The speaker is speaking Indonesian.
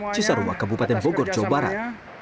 cisarua kabupaten bogor jawa barat